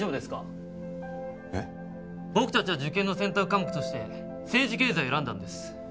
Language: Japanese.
僕たちは受験の選択科目として政治経済を選んだんです。